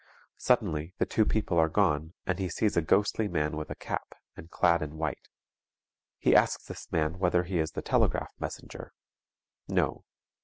Suddenly the two people are gone and he sees a ghostly man with a cap, and clad in white. He asks this man whether he is the telegraph messenger.... No.